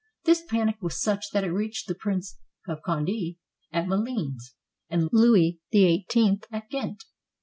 This panic was such that it reached the Prince of Conde at Malines, and Louis XVIII at Ghent.